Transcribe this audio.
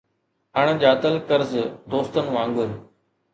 اڻڄاتل قرض دوستن وانگر